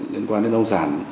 liên quan đến nông sản